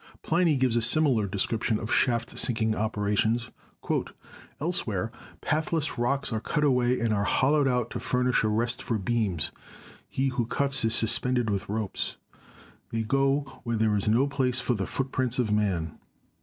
Pliny gives a similar description of shaft sinking opera tions : "Elsewhere pathless rocks are cut away, and are hollowed out to furnish a rest for beams. He who cuts is suspended with ropes. — They go where there is no place for the footprints of man."